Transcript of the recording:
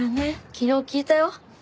昨日聞いたよ。